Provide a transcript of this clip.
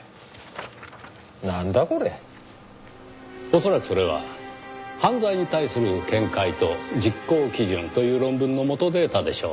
恐らくそれは『犯罪に対する見解と実行基準』という論文の元データでしょう。